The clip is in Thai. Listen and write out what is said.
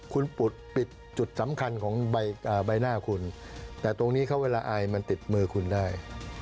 คุณปุดปิดจุดสำคัญของใบหน้าคุณแต่ตรงนี้เขาเวลาอายมันติดมือคุณได้